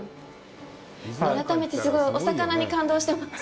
改めて、すごいお魚に感動してます。